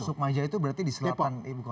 sukmaja itu berarti di selatan ibu kota